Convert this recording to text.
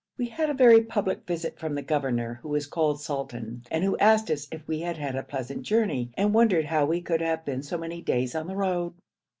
We had a very public visit from the governor, who is called sultan, and who asked us if we had had a pleasant journey, and wondered how we could have been so many days on the road.